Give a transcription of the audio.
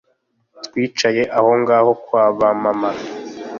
twicara aho ngaho kwa ba mama